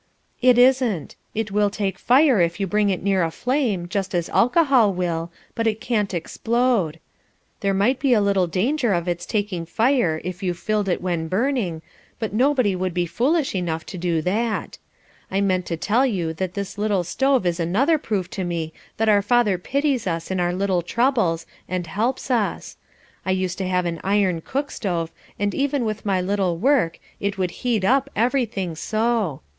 "It isn't. It will take fire if you bring it near a flame, just as alcohol will, but it can't explode. There might be a little danger of its taking fire if you filled it when burning, but nobody would be foolish enough to do that. I meant to tell you that this little stove is another proof to me that our Father pities us in our little troubles, and helps us. I used to have an iron cook stove, and even with my little work it would heat up everything so.